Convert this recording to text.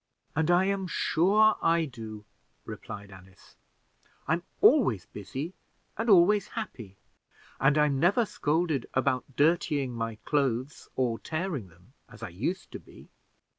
"And I am sure I do," replied Alice; "I'm always busy and always happy, and I'm never scolded about dirtying my clothes or tearing them, as I used to be."